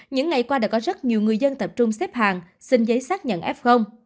những ngày qua đã có rất nhiều người dân tập trung xếp hàng xin giấy xác nhận f